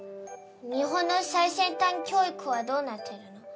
日本の最先端教育はどうなってるの？